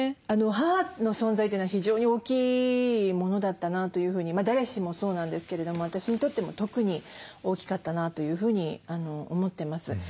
母の存在というのは非常に大きいものだったなというふうにまあ誰しもそうなんですけれども私にとっても特に大きかったなというふうに思ってます。